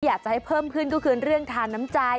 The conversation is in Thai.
อยากจะให้เพิ่มขึ้นก็คือเรื่องทานน้ำใจ